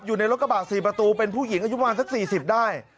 อยู่ในรถกระบะ๔ประตูเป็นผู้หญิงอายุประมาณสัก๔๐ได้